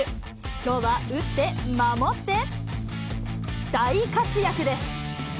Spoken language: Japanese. きょうは打って、守って、大活躍です。